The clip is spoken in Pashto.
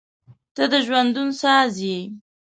• ته د ژوندون ساز یې.